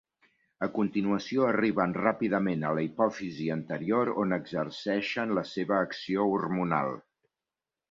A continuació, arriben ràpidament a la hipòfisi anterior on exerceixen la seva acció hormonal.